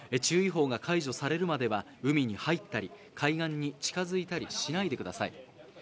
注意報が解除されるまでは海に入ったり海岸に近づいたりしないでください。